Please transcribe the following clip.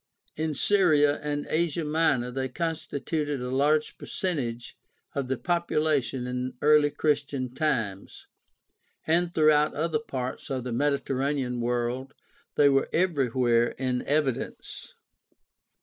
In Syria and Asia Minor they constituted a large percentage of the popula tion in early Christian times, and throughout other parts of the Mediterranean world they were everywhere in evi dence.